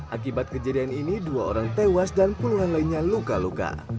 akibat kejadian ini dua orang tewas dan puluhan lainnya luka luka